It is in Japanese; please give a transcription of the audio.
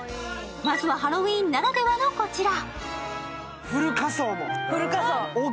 まずはハロウィーンならではのこちら。